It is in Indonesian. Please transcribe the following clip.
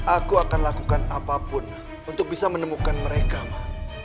aku akan lakukan apapun untuk bisa menemukan mereka mah